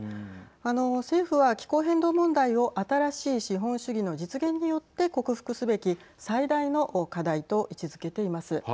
あの、政府は気候変動問題を新しい資本主義の実現によって克服すべき最大の課題と位置づけています。